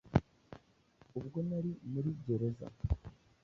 ubwo nari muri gereza